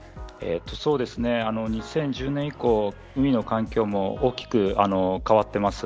２０１０年以降海の環境も大きく変わっています。